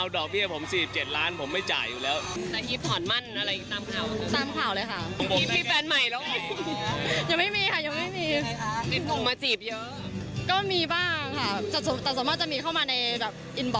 ตอนนี้มาง้อเพราะว่าเป็นที่หนึ่ง